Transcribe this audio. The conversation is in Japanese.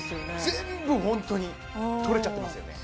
全部ホントに取れちゃってますよね